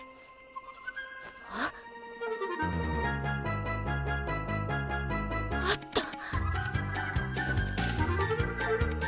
はっ！あった。